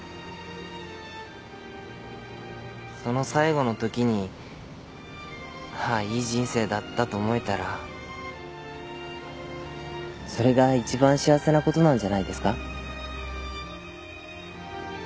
その最期のときにああいい人生だったと思えたらそれがいちばん幸せなことなんじゃないですか？